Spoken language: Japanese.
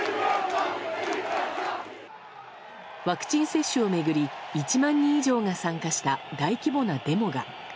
ワクチン接種を巡り１万人以上が参加した大規模なデモが。